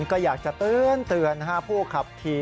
ก็อยากจะเตือนห้าผู้ขับที